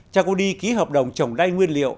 cha cô đi ký hợp đồng trồng đay nguyên liệu